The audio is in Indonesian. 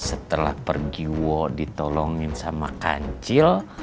setelah pergi wo ditolongin sama kancil